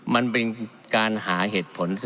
มันเป็นการหาเหตุผล